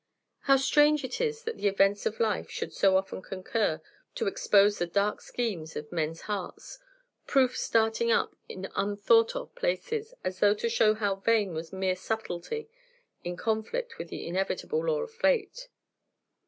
How strange is it that the events of life should so often concur to expose the dark schemes of men's hearts; proofs starting up in un thought of places, as though to show how vain was mere subtlety in conflict with the inevitable law of Fate."